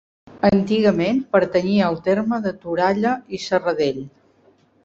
Antigament pertanyia al terme de Toralla i Serradell.